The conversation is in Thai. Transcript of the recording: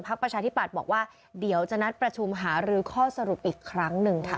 ประชาธิปัตย์บอกว่าเดี๋ยวจะนัดประชุมหารือข้อสรุปอีกครั้งหนึ่งค่ะ